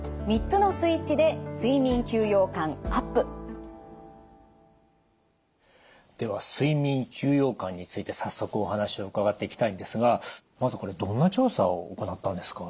では睡眠休養感について早速お話を伺っていきたいんですがまずこれどんな調査を行ったんですか？